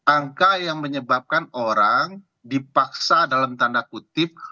angka yang menyebabkan orang dipaksa dalam tanda kutip